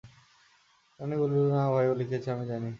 রানী বলিল, না ভাই, ও লিখেছে, আমি জানি!